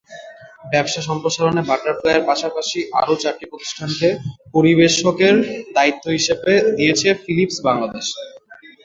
ব্যবসা সম্প্রসারণে বাটারফ্লাইয়ের পাশাপাশি আরও চারটি প্রতিষ্ঠানকে পরিবেশকের দায়িত্ব দিয়েছে ফিলিপস বাংলাদেশ।